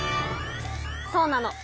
そうなの。